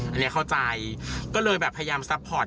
อันนี้เข้าใจก็เลยแบบพยายามซัพพอร์ต